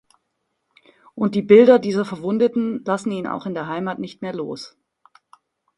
Und die Bilder dieser Verwundeten lassen ihn auch in der Heimat nicht mehr los.